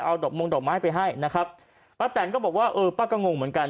เอาดอกมงดอกไม้ไปให้นะครับป้าแตนก็บอกว่าเออป้าก็งงเหมือนกัน